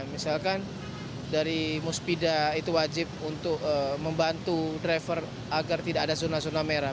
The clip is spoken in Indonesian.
misalkan dari musbida itu wajib untuk membantu driver agar tidak ada zona zona merah